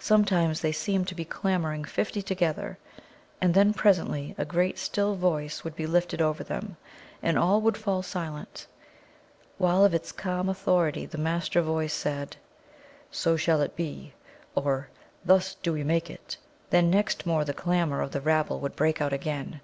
Sometimes they seemed to be clamouring, fifty together; and then presently a great still voice would be lifted over them, and all would fall silent; while of its calm authority the master voice said, "So shall it be," or "Thus do we make it." Then once more the clamour of the rabble would break out again.